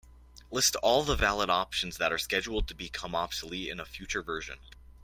List all the valid options that are scheduled to become obsolete in a future version.